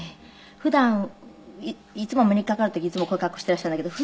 普段いつもお目にかかる時こういう格好をしていらっしゃるんだけど。